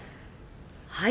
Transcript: はい。